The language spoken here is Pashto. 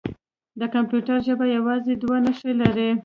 د کمپیوټر ژبه یوازې دوه نښې لري.